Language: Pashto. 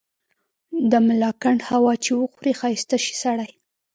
د ملاکنډ هوا چي وخوري ښايسته شی سړے